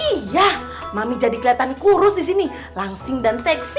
iya mami jadi kelihatan kurus di sini langsing dan seksi